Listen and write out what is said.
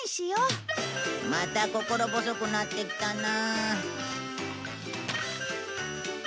また心細くなってきたな。